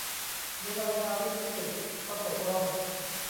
เวลาทาลิปสติกก็ตกร่อง